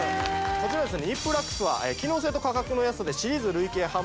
こちらですね